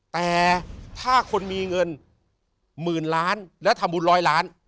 แต่ถ้าคนมีเงิน๑๐๐๐๐๐๐๐บาทและทำบุญ๑๐๐๐๐๐๐๐๐บาท